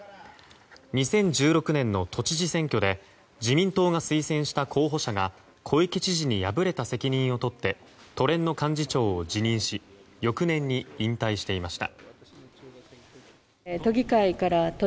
２０１６年の都知事選挙で自民党が推薦した候補者が小池知事に敗れた責任を取って都連の幹事長を辞任し翌年に引退していました。